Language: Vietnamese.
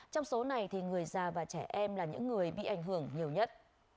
trong số này thì người già và trẻ em là những người bị ảnh hưởng nhiều nhất